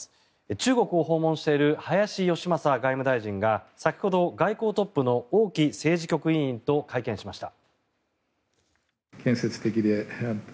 中国を訪問している林芳正外務大臣が先ほど、外交トップの王毅政治局委員と会見しました。